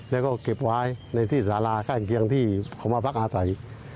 แล้วก็เก็บไว้ในที่สาราข้างเคียงที่เขามาพักอาศัย